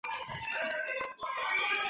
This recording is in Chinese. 曾为成员。